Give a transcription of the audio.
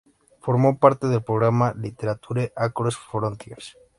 Formó parte del programa Literature Across Frontiers.